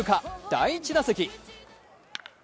第１打席。